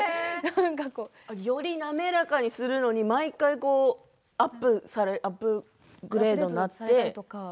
より滑らかにするのに毎回アップグレードになって。